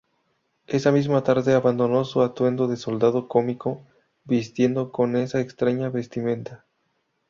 Esa misma tarde abandonó su atuendo de soldado cómico, vistiendo con esa extraña vestimenta.